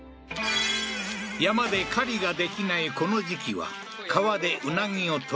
山で狩りができないこの時期は川で鰻を獲り